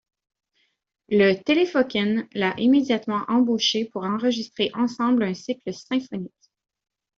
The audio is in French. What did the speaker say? Le Telefunken l'a immédiatement embauché pour enregistrer ensemble un cycle symphonique.